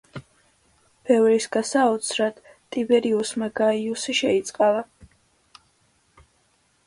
ბევრის გასაოცრად, ტიბერიუსმა გაიუსი შეიწყალა.